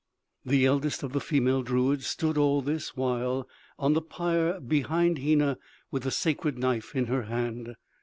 The eldest of the female druids stood all this while on the pyre behind Hena with the sacred knife in her hand.